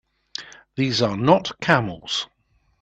These are not camels!